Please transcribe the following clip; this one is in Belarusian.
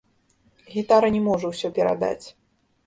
Гітара не можа ўсё перадаць.